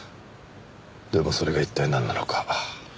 でもそれが一体なんなのか。